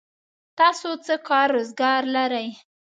تاسو څه کار روزګار لرئ؟